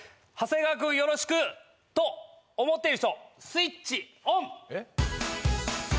長谷川君よろしくと思っている人スイッチオン！